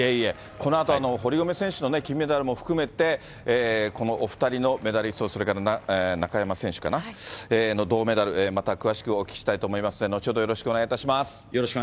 このあと、堀米選手の金メダルも含めて、このお２人のメダリスト、それから中山選手かな、銅メダル、また詳しくお聞きしたいと思いますので、よろしくお願いします。